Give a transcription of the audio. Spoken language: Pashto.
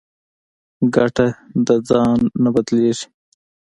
کټه د ځای نه بدلېږي.